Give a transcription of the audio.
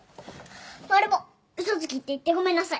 マルモ嘘つきって言ってごめんなさい。